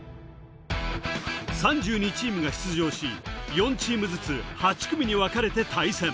３２チームが出場し、４チームずつ８組に分かれて対戦。